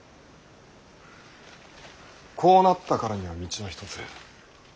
こうなったからには道は一つ。